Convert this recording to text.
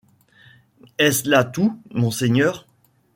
Est-ce là tout, monseigneur?